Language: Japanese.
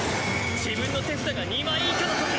自分の手札が２枚以下のとき